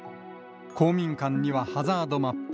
公民館にはハザードマップ。